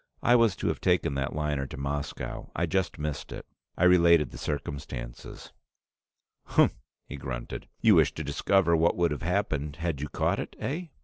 I was to have taken that liner to Moscow. I just missed it." I related the circumstances. "Humph!" he grunted. "You wish to discover what would have happened had you caught it, eh?